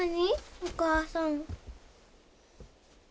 お母さん。